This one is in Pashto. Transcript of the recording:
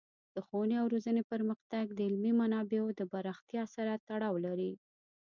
د ښوونې او روزنې پرمختګ د علمي منابعو د پراختیا سره تړاو لري.